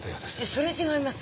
それは違います。